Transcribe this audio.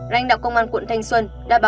lãnh đạo công an quận thanh xuân đã báo